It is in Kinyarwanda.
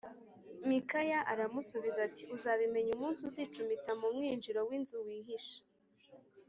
Mikaya aramusubiza ati “Uzabimenya umunsi uzicumita mu mwinjiro w’inzu wihisha”